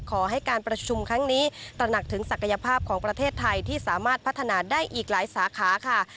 ขอให้การประชุมครั้งนี้ตระหนักถึงศักยภาพของประเทศไทยที่สามารถพัฒนาได้อีกหลายสาขาค่ะ